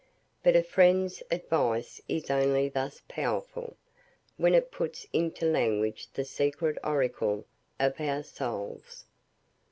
But a friend's advice is only thus powerful, when it puts into language the secret oracle of our souls.